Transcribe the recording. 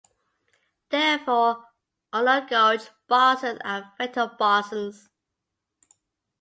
Therefore, all known gauge bosons are vector bosons.